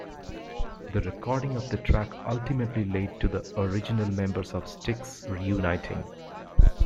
The recording of the track ultimately led to the original members of Styx reuniting.